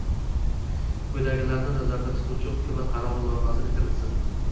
quyidagilarni nazarda tutuvchi Hukumat qarori loyihasini kiritsin: